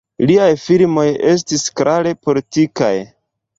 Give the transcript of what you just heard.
Liaj filmoj estis klare politikaj.